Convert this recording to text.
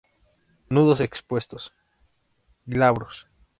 Nudos expuestos; glabros.